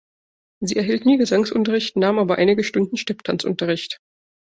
Sie erhielt nie Gesangsunterricht, nahm aber einige Stunden Stepptanz-Unterricht.